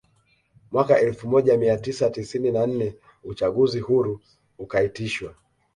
Mwaka elfu moja mia tisa tisini na nne uchaguzi huru ukaitishwa